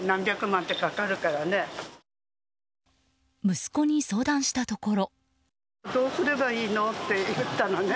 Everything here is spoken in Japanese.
息子に相談したところ。